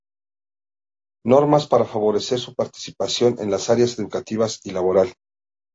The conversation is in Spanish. Normas para favorecer su participación en las áreas educativa y laboral.